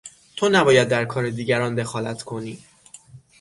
تو نباید در کار دیگران دخالت کنی!